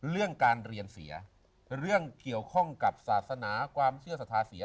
เรื่องการเรียนเสียเรื่องเกี่ยวข้องกับศาสนาความเชื่อศรัทธาเสีย